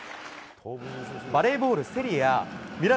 バレーボール、セリエＡ。